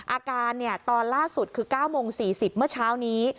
อาการตอนล่าสุดคือ๙โมง๔๐เมื่อเช้านี้